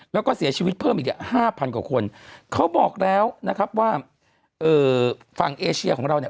แล้วก็เสียชีวิตเพิ่มอีกห้าพันกว่าคนเขาบอกแล้วนะครับว่าฝั่งเอเชียของเราเนี่ย